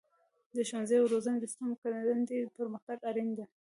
د ښوونې او روزنې د سیسټم ګړندی پرمختګ اړین دی.